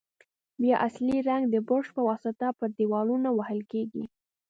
بیا اصلي رنګ د برش په واسطه پر دېوالونو وهل کیږي.